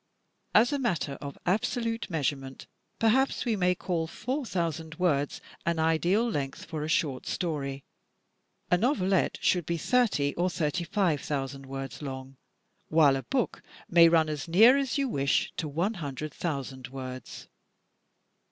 As a matter of absolute measurement, perhaps we may call four thousand words an ideal length for a short story. A novelette should be thirty or thirty five thousand words long; while a book may run as near as you wish to one hun dred thousand words.